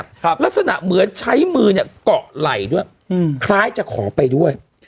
ครับลักษณะเหมือนใช้มือเนี้ยเกาะไหล่ด้วยอืมคล้ายจะขอไปด้วย